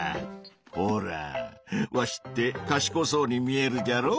ほらぁわしってかしこそうに見えるじゃろ？